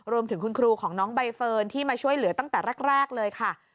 รวมถึงคุณครูของน้องใบเฟิร์นที่มาช่วยเหลือตั้งแต่แรกเลยค่ะ